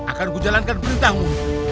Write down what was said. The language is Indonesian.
akan ku jalankan perintahmu